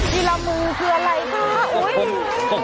กีฬามือคืออะไรคะอุ๊ย